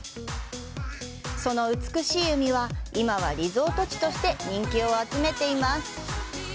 その美しい海は、今はリゾート地として人気を集めています。